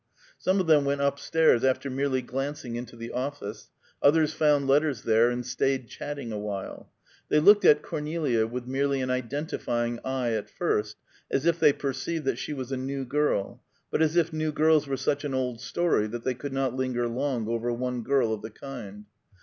Some of them went up stairs after merely glancing into the office, others found letters there, and staid chatting awhile. They looked at Cornelia with merely an identifying eye, at first, as if they perceived that she was a new girl, but as if new girls were such an old story that they could not linger long over one girl of the kind.